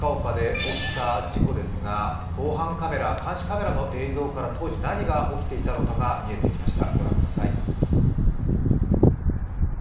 富山・高岡で行われた事故ですが、防犯カメラ、監視カメラの映像から当時何が起きていたのかが見えてきました。